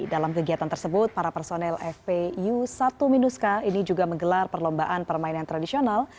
dalam kegiatan tersebut para personel fpu satu minuska ini juga menggelar perlombaan permainan tradisional